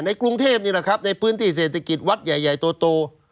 กรุงเทพนี่แหละครับในพื้นที่เศรษฐกิจวัดใหญ่โต